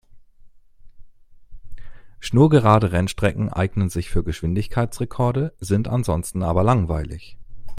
Schnurgerade Rennstrecken eignen sich für Geschwindigkeitsrekorde, sind ansonsten aber langweilig.